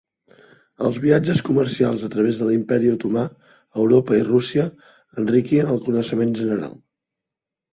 Els viatges comercials a través de l'Imperi Otomà, Europa i Rússia enriquien el coneixement general.